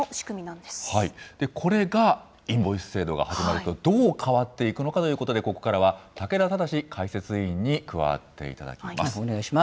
これが、インボイス制度が始まるとどう変わっていくのかということで、ここからは、竹田忠解お願いします。